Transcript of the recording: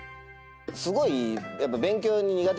すごい。